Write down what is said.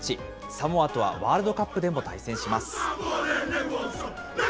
サモアとはワールドカップでも対戦します。